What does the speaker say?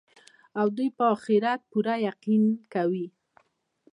او دوى په آخرت پوره يقين كوي